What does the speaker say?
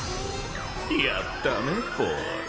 やったねボーイ